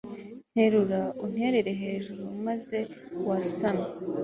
nterura unterere hejuru, maze wasame